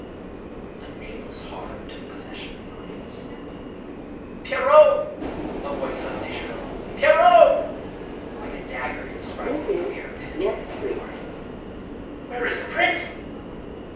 A nameless horror took possession of the audience. " Pierrot !" a voice suddenly shrilled. " Pierrot !" Like a dagger, indescribable fear penetrated every heart. "Where is the prince?"